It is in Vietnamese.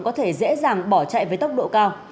có thể dễ dàng bỏ chạy với tốc độ cao